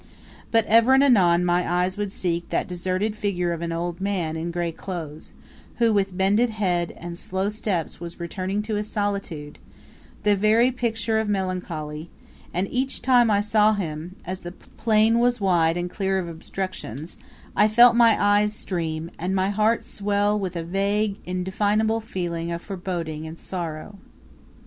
But ever and anon my eyes would seek that deserted figure of an old man in grey clothes, who with bended head and slow steps was returning to his solitude, the very picture of melancholy, and each time I saw him as the plain was wide and clear of obstructions I felt my eyes stream, and my heart swell with a vague, indefinable feeling of foreboding and sorrow.